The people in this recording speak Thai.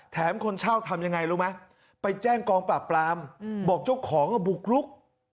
คนเช่าทำยังไงรู้ไหมไปแจ้งกองปราบปรามบอกเจ้าของบุกลุก